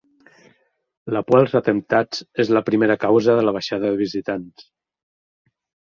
La por als atemptats és la primera causa de la baixada de visitants